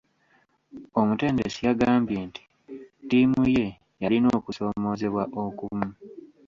Omutendesi yagambye nti ttiimu ye yalina okusoomoozebwa okumu.